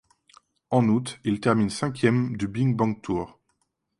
En août, il termine cinquième du BinckBank Tour.